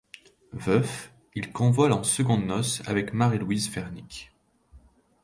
Veuf il convole en secondes noces avec Marie-Louise Fernique.